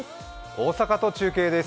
大阪と中継です。